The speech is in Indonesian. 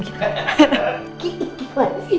gigi itu apaan sih